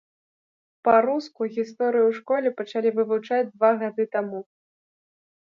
Па-руску гісторыю ў школе пачалі вывучаць два гады таму.